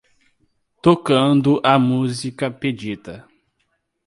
Tocando a música pedida.